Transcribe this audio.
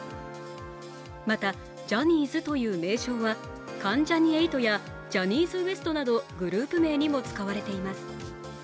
また、ジャニーズという名称は関ジャニ∞やジャニーズＷＥＳＴなどグループ名にも使われています。